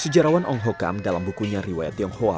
sejarawan ong hokam dalam bukunya riwayat tionghoa